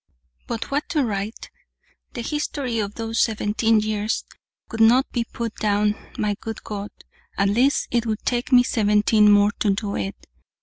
But what to write? The history of those seventeen years could not be put down, my good God: at least, it would take me seventeen more to do it.